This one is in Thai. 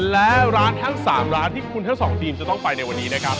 และร้านทั้ง๓ร้านที่คุณทั้งสองทีมจะต้องไปในวันนี้นะครับ